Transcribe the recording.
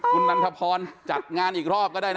คุณนันทพรจัดงานอีกรอบก็ได้นะ